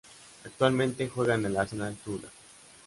Actualmente juega en el Arsenal Tula.